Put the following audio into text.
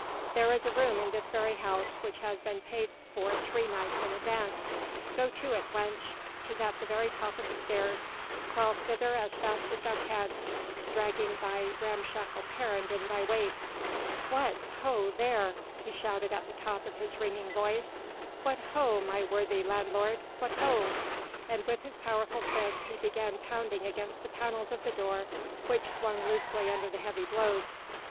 "There is a room in this very house which has been paid for three nights in advance. Go to it, wench, 'tis at the very top of the stairs, crawl thither as fast as thou canst, dragging thy ramshackle parent in thy wake. What ho there!" he shouted at the top of his ringing voice, "what ho my worthy landlord! What ho!" And with his powerful fists he began pounding against the panels of the door which swung loosely under the heavy blows.